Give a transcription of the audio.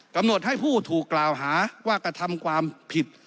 กำหนดให้ผู้ถูกกล่าวหาว่ากระทำความผิด